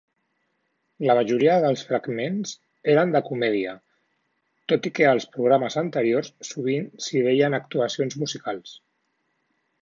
La majoria dels fragments eren de comèdia, tot i que als programes anteriors sovint s'hi veien actuacions musicals.